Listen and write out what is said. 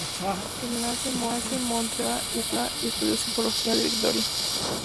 Él nació en Montreal, Canadá y estudió Psicología en la Universidad de Victoria.